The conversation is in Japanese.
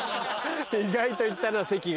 意外と行ったな関が。